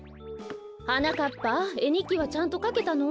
はなかっぱえにっきはちゃんとかけたの？